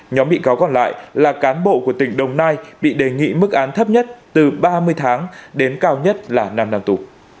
nhóm bị cáo còn lại là cán bộ của tỉnh đồng nai bị đề nghị mức án thấp nhất từ ba mươi tháng đến cao nhất là năm năm tù